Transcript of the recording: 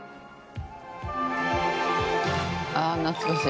ああ懐かしい。